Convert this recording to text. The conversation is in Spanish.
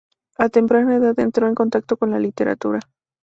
A temprana edad, entró en contacto con la literatura.